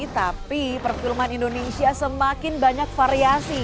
tapi perfilman indonesia semakin banyak variasi